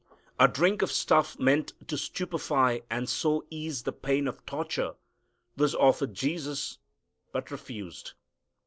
A drink of stuff meant to stupefy and so ease the pain of torture was offered Jesus, but refused.